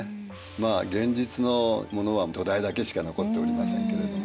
まあ現実のものは土台だけしか残っておりませんけれども。